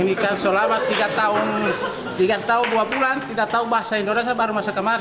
ini kan selama tiga tahun dua bulan tidak tahu bahasa indonesia baru masuk ke kamar